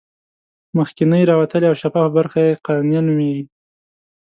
مخکینۍ راوتلې او شفافه برخه یې قرنیه نومیږي.